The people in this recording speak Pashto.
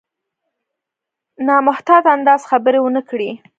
په نامحتاط انداز خبرې ونه کړي.